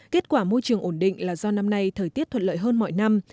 kết quả môi trường ổn định là do năm nay thời tiết thuận lợi hơn mọi năm